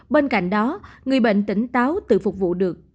bên cạnh đó người bệnh tỉnh táo tự phục vụ được